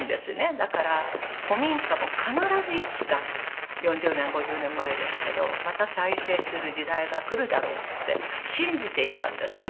だから古民家も必ずいつか４０年５０年前ですけどまた再生する時代がくるだろうって信じていたんですね。